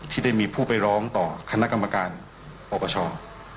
ที่ได้มีผู้ไปร้องต่อคณะกรรมการปปช